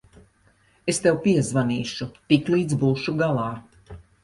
Es tev piezvanīšu, tiklīdz būšu galā.